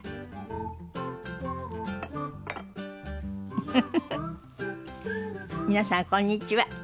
フフフフ皆さんこんにちは。